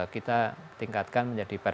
kita tingkatkan menjadi